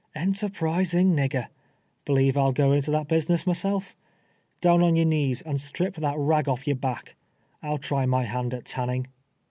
Enterprising nigger! B'lieve I'll go into that business myself Down on your knees, and strip that rag olf your back ! I'll try my hand at tanning."